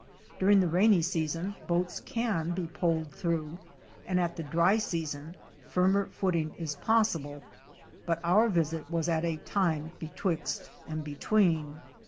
Dur ing the rainy season boats can be poled through, and at the dry season firmer footing is possible, but our visit was at a time betwixt and between.